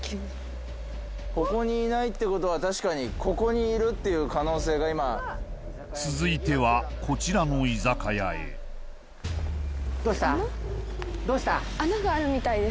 ここにいないってことは確かにここにいるっていう可能性が今続いてはこちらの居酒屋へどうした？